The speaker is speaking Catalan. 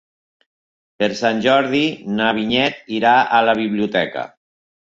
Per Sant Jordi na Vinyet irà a la biblioteca.